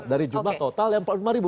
dari jumlah total yang empat puluh lima ribu